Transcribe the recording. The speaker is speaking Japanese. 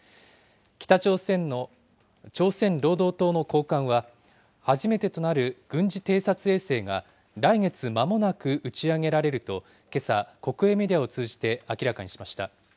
北朝鮮の朝鮮労働党の高官は、初めてとなる軍事偵察衛星が、来月まもなく打ち上げられると、けさ、国営メディアを通じて明らかにしました。